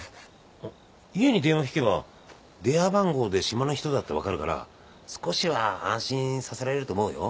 あっ家に電話ひけば電話番号で島の人だって分かるから少しは安心させられると思うよ。